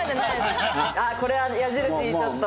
あっこれは矢印ちょっと。